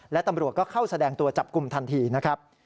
และตำรวจก็เข้าแสดงตัวจับกลุ่มทันทีนะครับ